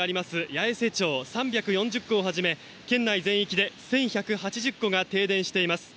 八重瀬町３４０戸をはじめ、県内全域で１１８０戸が停電しています。